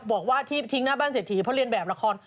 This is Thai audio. บอกว่าที่ทิ้งหน้าบ้านเศรษฐีเพราะเรียนแบบละคร